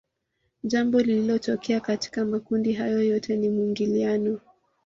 Jambo linalotokea katika makundi haya yote ni mwingiliano